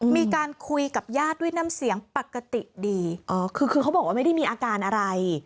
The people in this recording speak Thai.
มีการคุยกับญาติด้วยน้ำเสียงปกติดีอ๋อคือคือเขาบอกว่าไม่ได้มีอาการอะไร